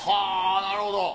なるほど。